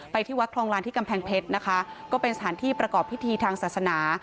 ที่วัดคลองลานที่กำแพงเพชรนะคะก็เป็นสถานที่ประกอบพิธีทางศาสนา